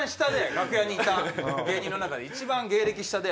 楽屋にいた芸人の中で一番芸歴下で。